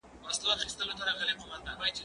ايا ته انځور ګورې.